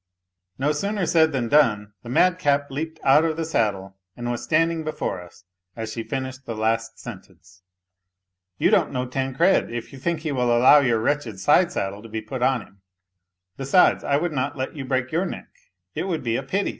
No sooner said than done, the madcap leaped out of the saddle and was standing before us as she finished the last sentence. " You don't know Tancred, if you think he will allow your wretched side saddle to be put on him ! Besides, I would not let you break yoiir neck, it would be a pity